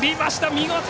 見事！